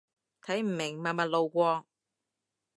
睇唔明，默默路過